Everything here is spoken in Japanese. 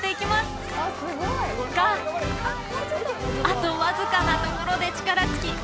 あとわずかなところで力尽き